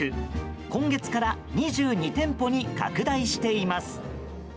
今月から２２店舗に拡大しています。